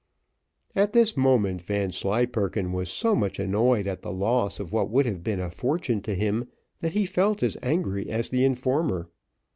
At this moment Vanslyperken was so much annoyed at the loss of what would have been a fortune to him, that he felt as angry as the informer.